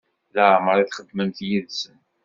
Laɛmeṛ i txedmemt yid-sen?